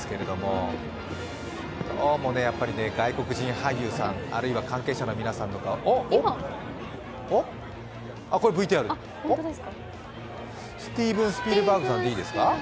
どうもやっぱり外国人俳優さん、あるいは関係者の皆さんはおっ、スティーヴン・スピルバーグさんでいいですか？